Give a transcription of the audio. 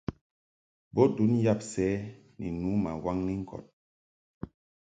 Bo ndun yab sɛ ni nu ma waŋni ŋkɔd.